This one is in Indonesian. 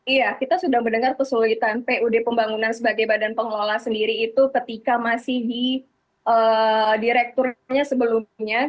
iya kita sudah mendengar kesulitan pud pembangunan sebagai badan pengelola sendiri itu ketika masih di direkturnya sebelumnya